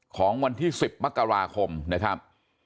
ของวันที่๑๐มกราคมนะครับ